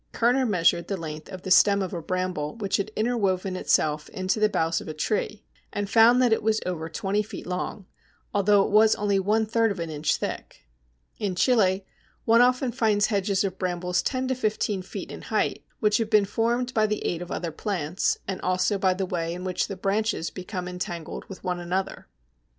Kerner measured the length of the stem of a Bramble which had interwoven itself into the boughs of a tree, and found that it was over twenty feet long, although it was only one third of an inch thick. In Chile one often finds hedges of Brambles ten to fifteen feet in height, which have been formed by the aid of other plants, and also by the way in which the branches become entangled with one another.